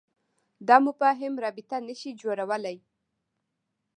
دا مفاهیم رابطه نه شي جوړولای.